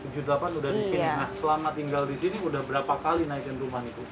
seribu sembilan ratus tujuh puluh delapan sudah di sini selama tinggal di sini sudah berapa kali naikkan rumah itu